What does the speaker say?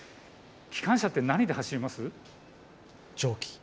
機関車って何で走ります？